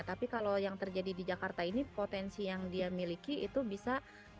tapi kalau yang terjadi di jakarta ini potensi yang dia miliki itu bisa